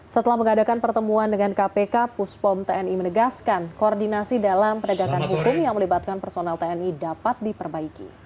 setelah mengadakan pertemuan dengan kpk puspom tni menegaskan koordinasi dalam penegakan hukum yang melibatkan personel tni dapat diperbaiki